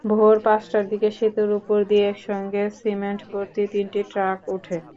ভোর পাঁচটার দিকে সেতুর ওপর দিয়ে একসঙ্গে সিমেন্টভর্তি তিনটি ট্রাক ওঠে।